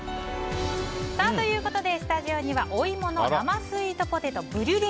スタジオにはＯＩＭＯの生スイートポテトブリュレ